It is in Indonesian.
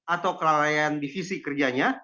atau kelalaian divisi kerjanya